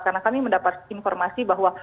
karena kami mendapat informasi bahwa